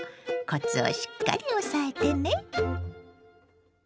コツをしっかり押さえてね。